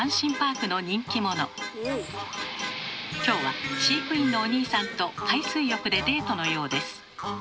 今日は飼育員のおにいさんと海水浴でデートのようです。